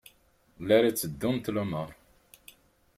La tteddunt lumuṛ?